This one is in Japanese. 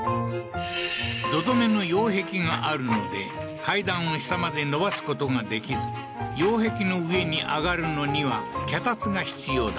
土留めの擁壁があるので階段を下まで延ばすことができず擁壁の上に上がるのには脚立が必要だ